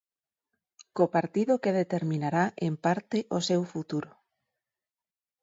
Co partido que determinará en parte o seu futuro.